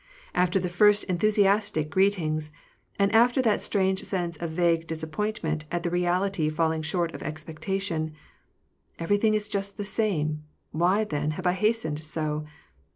After the first enthusiastic greetings, and after that strange sense of vague disappointment at the reality falling short of expectation, — "Everything is just the same ; why, then, have I hastened so